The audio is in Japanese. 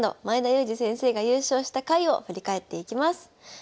前田祐司先生が優勝した回を振り返っていきます。